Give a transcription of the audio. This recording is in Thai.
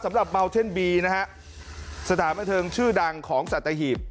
สำหรับเบาเช่นบีนะฮะสถานแม่เทิงชื่อดังของสัตยาหีบ